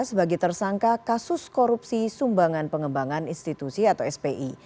sebagai tersangka kasus korupsi sumbangan pengembangan institusi atau spi